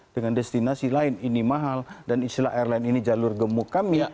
dengan destinasi lain ini mahal dan istilah airline ini jalur gemuk kami